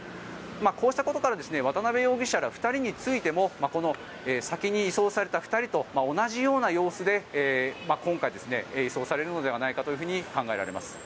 こうしたことから渡邉容疑者ら２人についても先に移送された２人と同じような様子で今回、移送されるのではないかと考えられます。